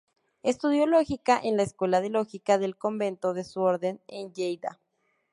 Estudió lógica en la Escuela de Lógica del convento de su orden en Lleida.